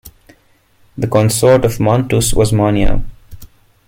The consort of Mantus was Mania.